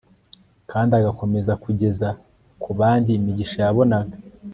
kandi agakomeza kugeza ku bandi imigisha yabonaga